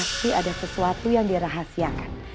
pasti ada sesuatu yang dirahasiakan